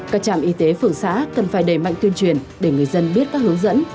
các trạm y tế phường xã cần phải đẩy mạnh tuyên truyền để người dân biết các hướng dẫn